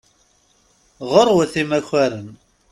Ɣurwat imakaren.